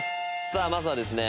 さあまずはですね